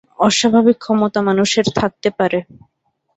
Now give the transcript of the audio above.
অস্বাভাবিক ক্ষমতা মানুষের থাকতে পারে।